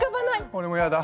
俺も嫌だ。